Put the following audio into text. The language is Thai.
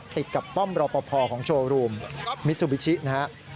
ติดกับป้อมรอปภของโชว์รูมมิซูบิชินะครับ